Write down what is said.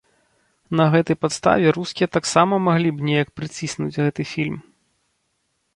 На гэтай падставе рускія таксама маглі б неяк прыціснуць гэты фільм!